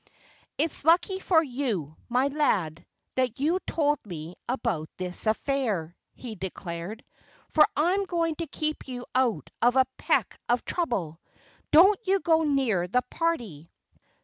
"It's lucky for you, my lad, that you told me about this affair," he declared. "For I'm going to keep you out of a peck of trouble. Don't you go near the party!